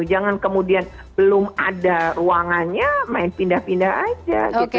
jangan kemudian belum ada ruangannya main pindah pindah aja gitu